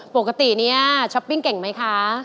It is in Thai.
ปกติเนี่ยช้อปปิ้งเก่งไหมคะ